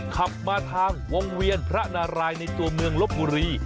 ขับมาทางวงเวียนพระนารายในตัวเมืองลบบุรี